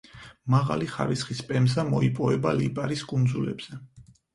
მაღალი ხარისხის პემზა მოიპოვება ლიპარის კუნძულებზე.